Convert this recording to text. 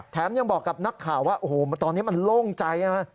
ยังบอกกับนักข่าวว่าโอ้โหตอนนี้มันโล่งใจนะ